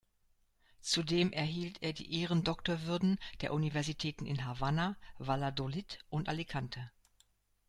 Zudem erhielt er die Ehrendoktorwürden der Universitäten in Havanna, Valladolid und Alicante.